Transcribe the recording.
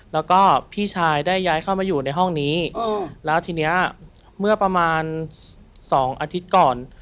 แล้วก็พี่ชายได้ย้ายเข้ามาอยู่ในห้องนี้แล้วทีนี้เมื่อประมาณ๒อาทิตย์ก่อน